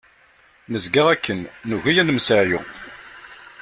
Nezga akken, nugi ad nemseɛyu.